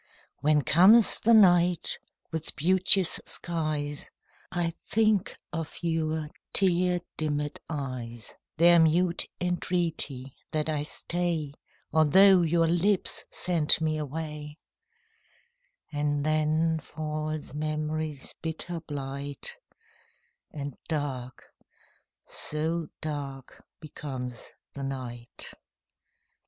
When comes the night with beauteous skies, I think of your tear dimmed eyes, Their mute entreaty that I stay, Although your lips sent me away; And then falls memory's bitter blight, And dark so dark becomes the night.